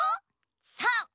そう！